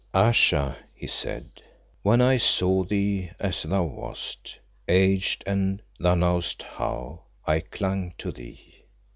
"Ayesha," he said, "when I saw thee as thou wast, aged and thou knowest how I clung to thee.